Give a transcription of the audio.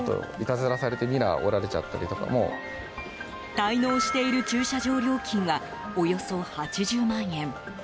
滞納している駐車場料金がおよそ８０万円。